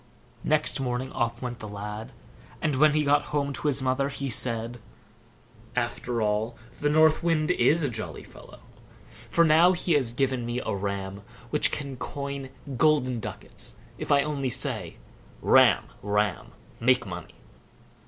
Next morning off went the lad; and when he got home to his mother, he said: "After all, the North Wind is a jolly fellow; for now he has given me a ram which can coin golden ducats if I only say 'Ram, ram! make money.